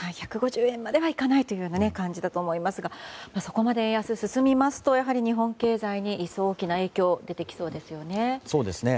１５０円まではいかないという感じだと思いますがそこまで円安が進みますと日本経済に一層大きな影響が出そうですね。